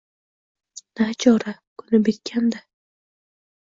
Nachora, kuni bitgan-da.